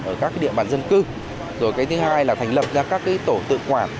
ở các địa bàn dân cư rồi cái thứ hai là thành lập ra các tổ tự quản